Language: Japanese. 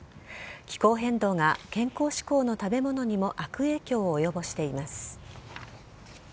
気候変動が健康志向の食べ物にも悪影響を及ぼしています。